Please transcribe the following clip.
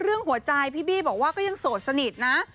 เรื่องหัวใจพี่บี้บอกว่าก็ยังโสดสนิทนะ